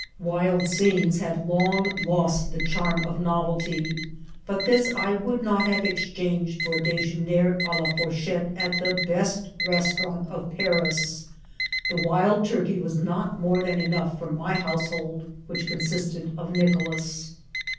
Wild scenes had long lost the 880 IKCIDXKT8 OP TEATXL. charm of novelty, but this I would not have exchanged for a dejeuner k la fourchette at the best restaurant of Paris. The wild turkey was not more than enough for my householdi which consisted of Nicolas.